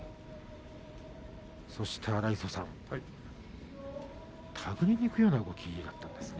そして荒磯さん手繰りにいくような動きでしたね。